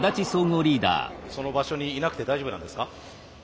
その場所にいなくて大丈夫なんですか？